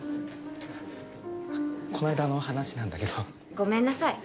この間の話なんだけど。ごめんなさい。